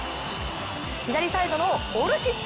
左サイドのオルシッチ。